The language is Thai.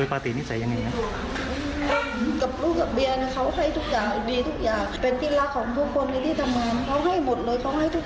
เหลือของทุกอย่างทุกอาทิตย์